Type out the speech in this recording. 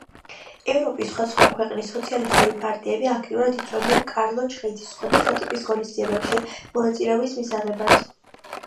ევროპის სხვადასხვა ქვეყნის სოციალისტური პარტიები აქტიურად იწვევდნენ კარლო ჩხეიძეს სხვადასხვა ტიპის ღონისძიებებში მონაწილეობის მისაღებად.